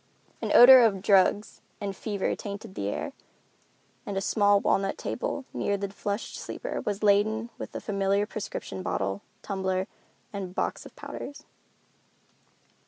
An odor of drugs and fever tainted the air, and a small walnut table near the flushed sleeper was laden with the familiar prescription bottle, tumbler and box of powders.